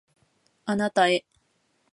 あなたへ